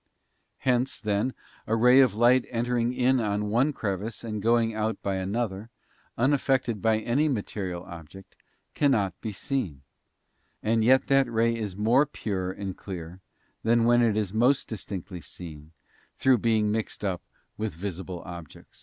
Hence, then, a ray of light entering in by one crevice and going out by another, unaffected by any material object, cannot be seen; and yet that ray is more pure and clear than when it is most distinctly seen through being mixed up with visible objects.